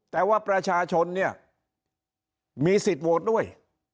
แต่ว่าประชาชนเนี่ยมีสิทธิ์โหวตด้วย